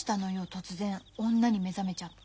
突然女に目覚めちゃって。